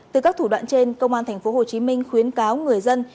từ các thủ đoạn trên công an tp hcm khuyến cáo người dân